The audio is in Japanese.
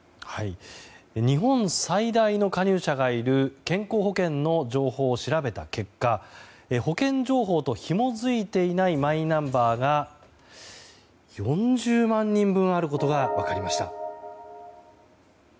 日本最大の加入者がいる健康保険の情報を調べた結果保険情報とひも付いていないマイナンバーが４０万人分あることが分かりました。